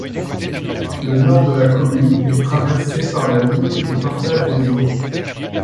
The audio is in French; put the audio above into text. Le nord de la commune est traversé par la ligne de partage des eaux.